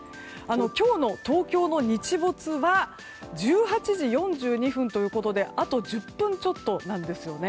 今日の東京の日没は１８時４２分ということであと１０分ちょっとなんですね。